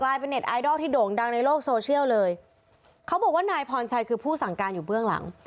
เป็นเน็ตไอดอลที่โด่งดังในโลกโซเชียลเลยเขาบอกว่านายพรชัยคือผู้สั่งการอยู่เบื้องหลัง